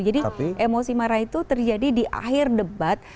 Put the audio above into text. jadi emosi marah itu terjadi di akhir debat